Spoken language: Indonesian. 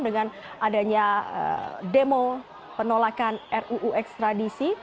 dengan adanya demo penolakan ruu ekstradisi